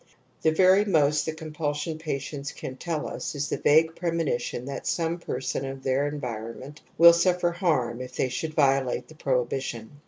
The very most that compulsion patients can tell I us is the vague premonition that some person/ of their environment will suffer harm if they/ should violate the prohibition.